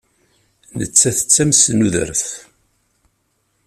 Nettat d tamesnudert.